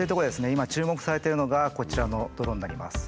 今注目されてるのがこちらのドローンになります。